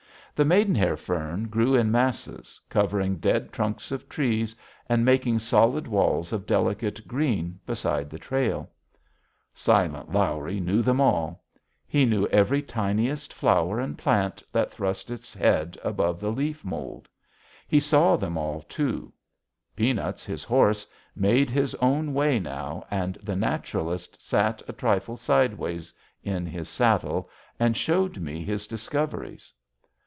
The maidenhair fern grew in masses, covering dead trunks of trees and making solid walls of delicate green beside the trail. "Silent Lawrie" knew them all. He knew every tiniest flower and plant that thrust its head above the leaf mould. He saw them all, too. Peanuts, his horse, made his own way now, and the naturalist sat a trifle sideways in his saddle and showed me his discoveries.